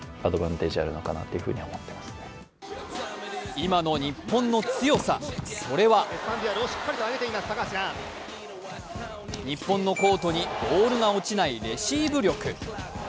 今の日本の強さ、それは日本のコートにボールが落ちないレシーブ力。